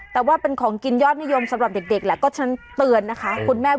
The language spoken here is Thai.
แต่ว่ากินยอดนิยมสำหรับเด็กอ่ะ